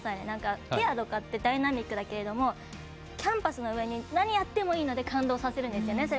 なんかペアとかってダイナミックだけれどもキャンパスの上で何をやってもいいから感動させるんですよね。